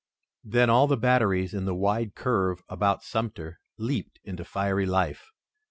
Then all the batteries in the wide curve about Sumter leaped into fiery life.